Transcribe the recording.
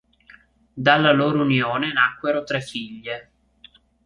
Dalla loro unione nacquero tre figlie.